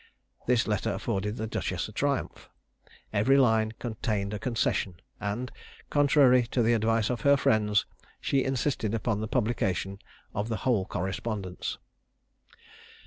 This letter afforded the duchess a triumph. Every line contained a concession; and, contrary to the advice of her friends, she insisted upon the publication of the whole correspondence.